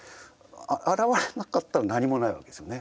現れなかったら何もないわけですよね。